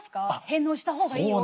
「返納したほうがいいよ」